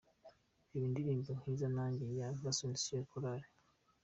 Reba indirimbo ‘Nkiza Nanjye’ ya Vers Sion Choir .